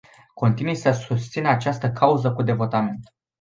Continui să susțin această cauză cu devotament.